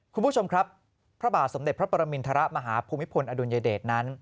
คุณผู้ชมครับพระบาทสมเด็จพระปรมินทรมาฮภูมิพลอดุลยเดชนั้น